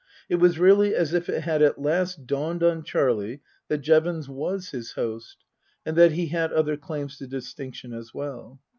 It was really as if it had at last dawned on Charlie that Jevons was his host, and that he had other claims to distinction as well.